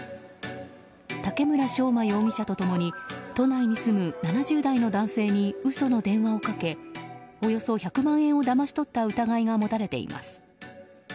竹村昇馬容疑者と共に都内に住む７０代の男性に嘘の電話をかけおよそ１００万円をだまし取った疑いが持たれています。